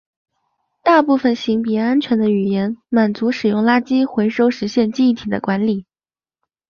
大部分型别安全的语言满足使用垃圾回收实现记忆体的管理。